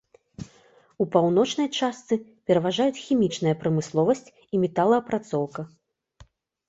У паўночнай частцы пераважаюць хімічная прамысловасць і металаапрацоўка.